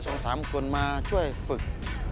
สองสามคนมาช่วยฝึก